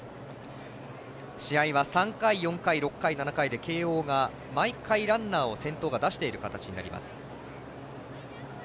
試合は３回、４回６回、７回で慶応が毎回、ランナーを先頭出している形になります。